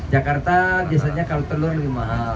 jakarta biasanya kalau telur lebih mahal